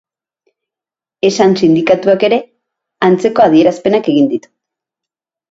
Esan sindikatuak ere antzeko adierazpenak egin ditu.